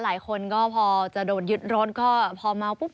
หลายคนก็พอจะโดนยึดรถก็พอเมาปุ๊บ